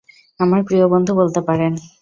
আমার প্রিয় বন্ধু বলতে পারেন।